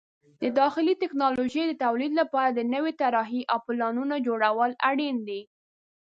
د داخلي ټکنالوژۍ د تولیداتو لپاره د نوې طرحې او پلانونو جوړول اړین دي.